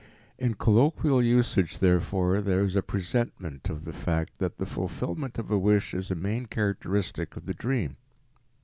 In colloquial usage, therefore, there is a presentment of the fact that the fulfillment of a wish is a main characteristic of the dream.